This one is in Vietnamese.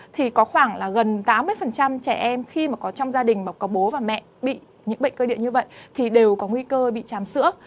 thì có khoảng là gần tám mươi trẻ em khi mà có trong gia đình mà có bố và mẹ bị những bệnh cơ điện như vậy thì đều có nguy cơ bị chám sữa